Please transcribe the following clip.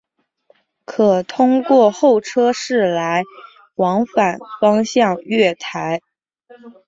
可通过候车室来往反方向月台。